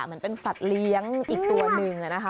เหมือนเป็นสัตว์เลี้ยงอีกตัวหนึ่งนะคะ